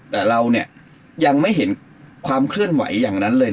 แต่เรายังไม่เห็นความเคลื่อนไหวอย่างนั้นเลยนะ